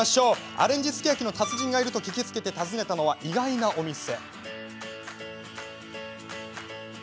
アレンジすき焼きの達人がいると聞きつけて訪ねたのは意外なお店。